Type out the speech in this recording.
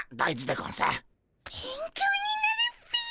勉強になるっピィ。